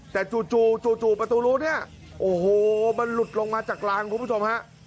แต่จู่จู่ประตูรูเนี่ยโอ้โหมันหลุดลงมาจากลานคุณผู้ชมฮะ